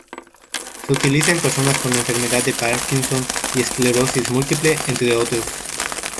Se utilizan en personas con Enfermedad de Parkinson y esclerosis múltiple, entre otros.